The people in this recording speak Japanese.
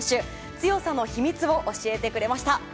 強さの秘密を教えてくれました。